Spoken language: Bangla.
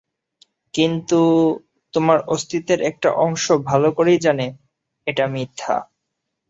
কিন্তু, তোমার অস্তিত্বের একটা অংশ ভাল করেই জানে এটা মিথ্যা।